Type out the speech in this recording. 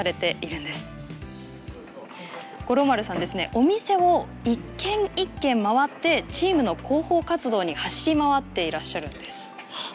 お店を一軒一軒回ってチームの広報活動に走り回っていらっしゃるんです。